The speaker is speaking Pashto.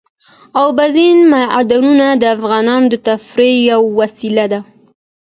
اوبزین معدنونه د افغانانو د تفریح یوه وسیله ده.